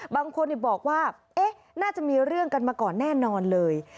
บางคนบอกว่าน่าจะมีเรื่องกันมาก่อนแน่นอนเลย